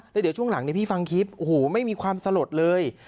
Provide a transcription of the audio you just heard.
แล้วเดี๋ยวช่วงหลังพี่ฟังคลิปโอ้โหไม่มีความสลดเลย